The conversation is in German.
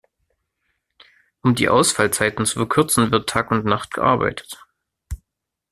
Um die Ausfallzeiten zu verkürzen, wird Tag und Nacht gearbeitet.